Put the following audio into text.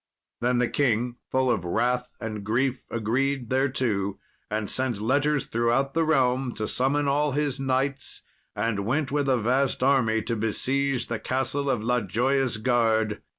Then the king, full of wrath and grief, agreed thereto, and sent letters throughout the realm to summon all his knights, and went with a vast army to besiege the Castle of La Joyous Garde.